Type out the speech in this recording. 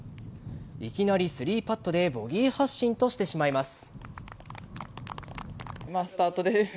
いきなり３パットでボギー発進としてしまいます。